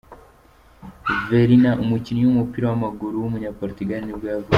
Vieirinha, umukinnyi w’umupira w’amaguru w’umunyaportugal nibwo yavutse.